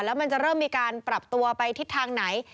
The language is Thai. แล้วมันจะเริ่มมีการปรับตัวไปทิศทางไหน